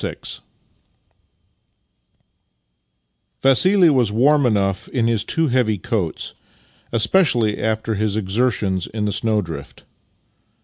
VI Vassili was warm enough in his two heavy coats, especially after his exertions in the snowdrift.